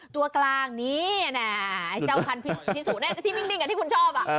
ตัวกลางนี่นะไอ้เจ้าคันชิสุที่นิ่งที่คุณชอบ